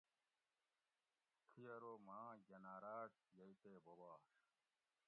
ڷی ارو ماں گناۤراۤٹ یئ تے بوب آش